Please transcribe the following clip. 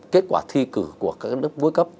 kết quả thi cử của các lớp vua cấp